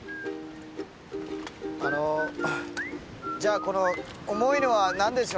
あのじゃあこの重いのは何でしょうか。